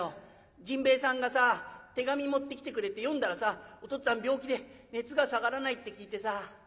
甚兵衛さんがさ手紙持ってきてくれて読んだらさお父っつぁん病気で熱が下がらないって聞いてさ。